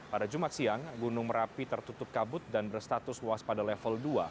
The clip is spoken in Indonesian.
pada jumat siang gunung merapi tertutup kabut dan berstatus waspada level dua